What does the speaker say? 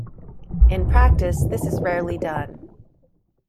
In practice, this is rarely done.